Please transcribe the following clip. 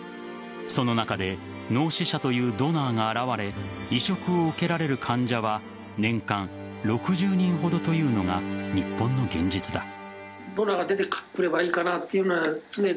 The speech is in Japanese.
その中で脳死者というドナーが現れ移植を受けられる患者は年間６０人ほどというのが日本の現実だ。